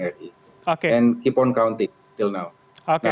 dan masih dikira kira sampai sekarang